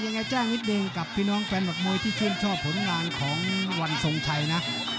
ยังไงแจ้งนิดนึงกับพี่น้องแฟนหมัดมวยที่ชื่นชอบผลงานของวันทรงชัยนะ